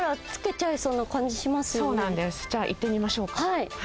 じゃあ、行ってみましょうか。